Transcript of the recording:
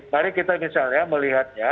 mari kita misalnya melihatnya